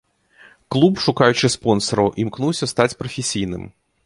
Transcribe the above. Клуб, шукаючы спонсараў, імкнуўся стаць прафесійным.